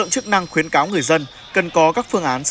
thành phố đà nẵng